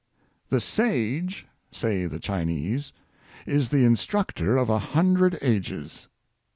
" The sage," say the Chinese, " is the instructor of a hundred ages.